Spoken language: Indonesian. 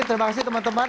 terima kasih teman teman